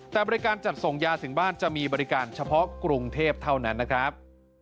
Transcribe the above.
แต่บริการจัดส่งยาถึงบ้านจะมีบริการเฉพาะกรุงเทพเท่านั้นนะครับ